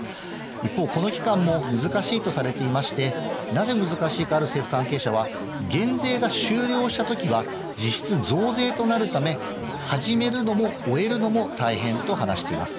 一方、この期間も難しいとされていまして、なぜ難しいか、ある政府関係者は、減税が終了したときは、実質増税となるため、始めるのも終えるのも大変と話しています。